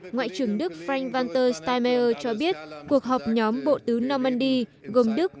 ngoại trưởng đức frank vanter steinmeier cho biết cuộc họp nhóm bộ tứ normandy gồm đức